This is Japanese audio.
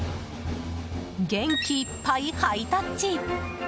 元気いっぱいハイタッチ！